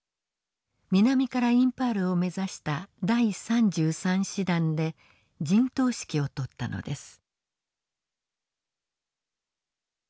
南からインパールを目指した第３３師団で陣頭指揮をとったのです。